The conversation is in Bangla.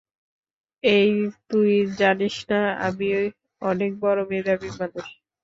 এই, তুই জানিস না আমি অনেক বড় মেধাবী মানুষ।